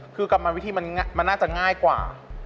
คือกรรมมันวิธีมันน่าจะง่ายกว่า